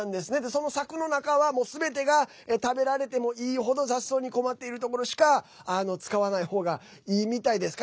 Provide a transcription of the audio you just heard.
その柵の中は、すべてが食べられてもいいほど雑草に困っているところしか使わないほうがいいみたいです。